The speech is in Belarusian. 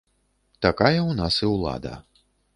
Такая ў нас і ўлада.